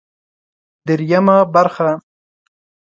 درېيمه برخه